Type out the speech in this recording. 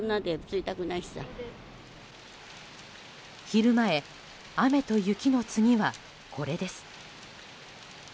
昼前、雨と雪の次はこれです。